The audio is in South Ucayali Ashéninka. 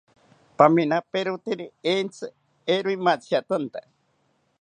Paminaperoteri entzi, eero imantziatanta